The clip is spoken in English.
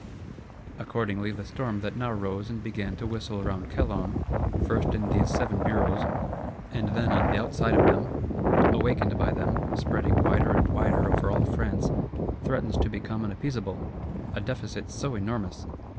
Accordingly, the storm that now rose and began to whistle round Calonne, first in these Seven Bureaus, and then on the outside of them, awakened by them, spreading wider and wider over all France, threatens to become unappeasable. A Deficit so enormous!